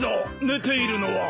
寝ているのは。